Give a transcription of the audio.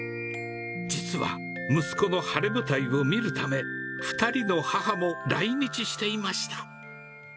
実は、息子の晴れ舞台を見るため、２人の母も来日していました。